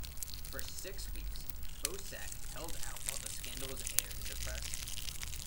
For six weeks Boesak held out while the scandal was aired in the press.